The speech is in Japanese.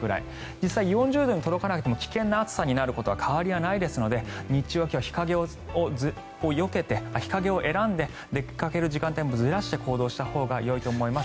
実際、４０度に届かなくても危険な暑さになることは変わりはないですので今日は日中は日陰を選んで出かける時間帯もずらして行動したほうがよいと思います。